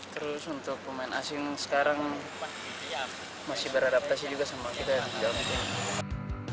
terus untuk pemain asing sekarang masih beradaptasi juga sama kita